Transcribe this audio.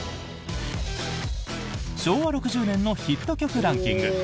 昭和６０年のヒット曲ランキング。